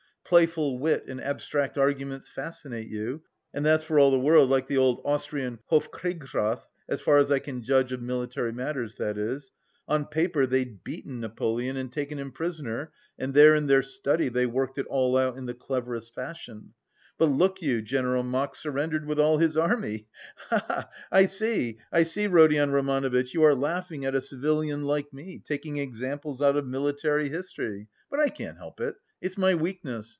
Playful wit and abstract arguments fascinate you and that's for all the world like the old Austrian Hof kriegsrath, as far as I can judge of military matters, that is: on paper they'd beaten Napoleon and taken him prisoner, and there in their study they worked it all out in the cleverest fashion, but look you, General Mack surrendered with all his army, he he he! I see, I see, Rodion Romanovitch, you are laughing at a civilian like me, taking examples out of military history! But I can't help it, it's my weakness.